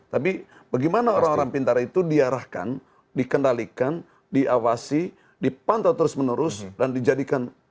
tapi bagaimana orang orang pintar itu diarahkan dikendalikan diawasi dipantau terus menerus dan dijadikan